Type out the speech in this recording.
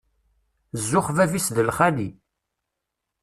Zzux bab-is d lxali.